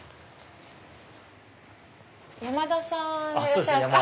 山田さんでいらっしゃいますか？